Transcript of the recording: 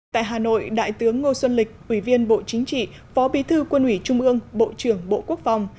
tại hà nội đại tướng ngô xuân lịch ủy viên bộ chính trị phó bí thư quân ủy trung ương bộ trưởng bộ quốc phòng